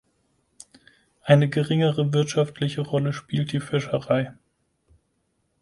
Eine geringere wirtschaftliche Rolle spielt die Fischerei.